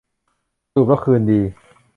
จูบแล้วคืนดี